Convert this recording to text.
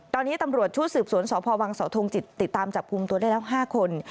ตอนนี้ตำรวจชุดสืบสวนสพวังเสาทงจิตติดตามจับกลุ่มตัวได้แล้ว๕คน